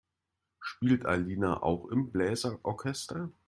Spielt Alina auch im Bläser-Orchester?